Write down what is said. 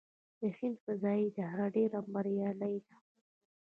د هند فضايي اداره ډیره بریالۍ ده.